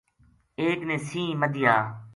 ایک نے سَینہ مدھیا